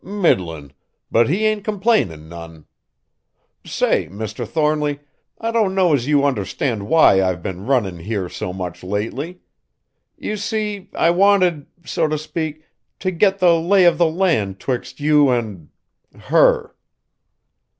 "Middlin'. But he ain't complainin' none. Say, Mr. Thornly, I don't know as you understand why I've been runnin' here so much lately? You see I wanted, so t' speak, t' git the lay o' the land 'twixt you an' her!"